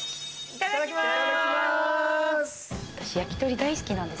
いただきます。